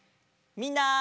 みんな。